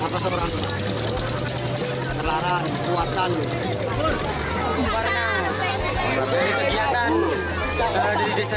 setiap tahunnya juga pasti ada